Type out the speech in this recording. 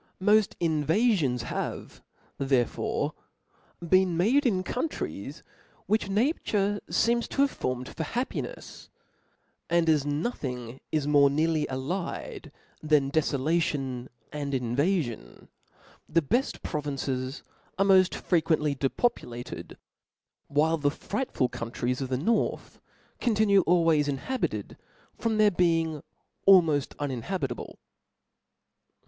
Mod invafions have there fore been made in countries, which nature feems to have formed for happineis : and as nothing is more nearly allied than defolation and invafion, the bed provinces are moft freq.uently depopulated; while the frightful countries of the north continue always inhabited, from their being almoft unin habitable.